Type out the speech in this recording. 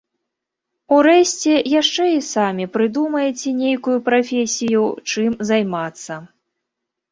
Урэшце, яшчэ і самі прыдумаеце нейкую прафесію, чым займацца.